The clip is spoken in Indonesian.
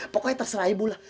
pokoknya terserah ibu lah